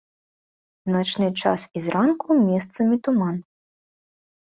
У начны час і зранку месцамі туман.